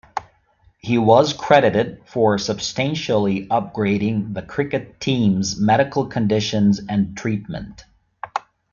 He was credited for substantially upgrading the Cricket team's medical conditions and treatment.